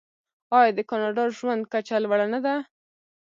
آیا د کاناډا ژوند کچه لوړه نه ده؟